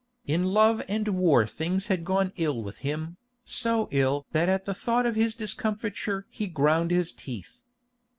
In love and war things had gone ill with him, so ill that at the thought of his discomfiture he ground his teeth.